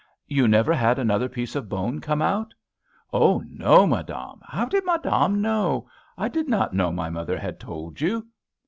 "You never had another piece of bone come out?" "Oh, no, madame! how did madame know? I did not know my mother had told you!"